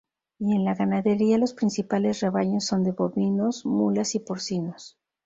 Y en la ganadería los principales rebaños son de bovinos, mulas y porcinos.